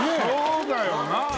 そうだよな。